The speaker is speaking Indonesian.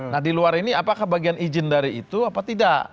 nah di luar ini apakah bagian izin dari itu apa tidak